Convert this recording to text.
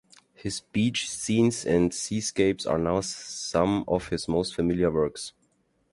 His beach scenes and seascapes are now some of his most familiar works.